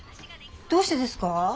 どうしてですか？